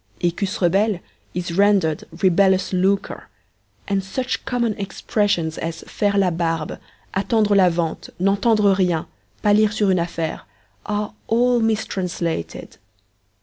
'Ecus rebelles' is rendered 'rebellious lucre,' and such common expressions as 'faire la barbe,' 'attendre la vente,' 'n'entendre rien,' palir sur une affaire,' are all mistranslated.